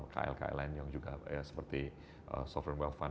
kl kl lainnya yang juga seperti sovereign wealth fund